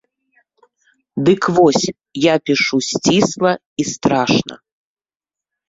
Дык вось, я пішу сцісла і страшна.